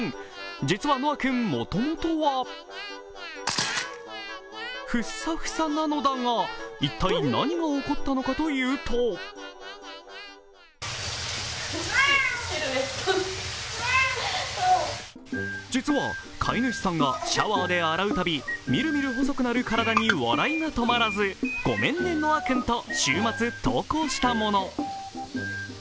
実はノアくん、もともとはふっさふさなのだが、一体何が起こったのかというと実は飼い主さんがシャワーで洗うたび、みるみる細くなる体に笑いが止まらず「ごめんねノアくん」と週末投稿したもの。